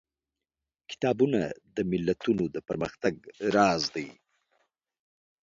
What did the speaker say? کتابونه د ملتونو د پرمختګ راز دي.